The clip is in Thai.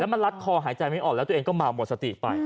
มันรัดคอหายใจไม่ออกแล้วตัวเองก็เมาหมดสติไป